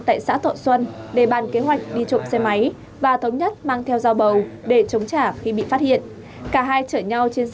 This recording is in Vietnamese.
tại xã thọ xuân để bàn kế hoạch đi trộm xe máy và thống nhất mang theo dao bầu để chống trả khi bị phát hiện